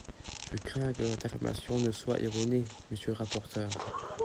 Je crains que votre information ne soit erronée, monsieur le rapporteur.